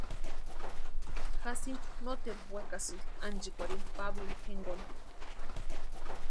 Jacintu noteru wekasïnti anchikwarhini Pablo jinkoni.